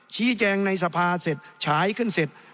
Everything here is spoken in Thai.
ชี้แจงในสภาเสร็จฉายขึ้นเสร็จ